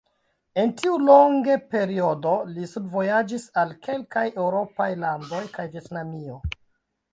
En tiu longe periodo li studvojaĝis al kelkaj eŭropaj landoj kaj Vjetnamio.